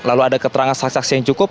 lalu ada keterangan saksaksi yang cukup